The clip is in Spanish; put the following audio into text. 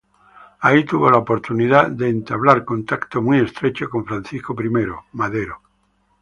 Ahí tuvo la oportunidad de entablar contacto muy estrecho con Francisco I. Madero.